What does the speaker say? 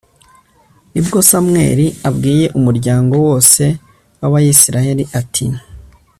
ni bwo samweli abwiye umuryango wose wa israheli, ati